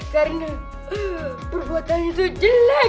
karena perbuatan itu jelek